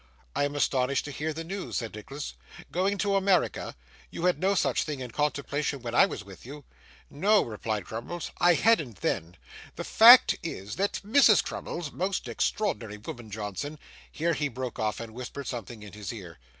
'I am astonished to hear this news,' said Nicholas. 'Going to America! You had no such thing in contemplation when I was with you.' 'No,' replied Crummles, 'I hadn't then. The fact is that Mrs Crummles most extraordinary woman, Johnson.' Here he broke off and whispered something in his ear.